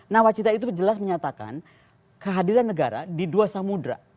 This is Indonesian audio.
nawacita itu jelas menyatakan kehadiran negara di dua samudera